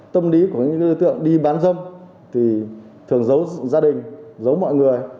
tâm lý của những đối tượng đi bán dâm thì thường giấu gia đình giấu mọi người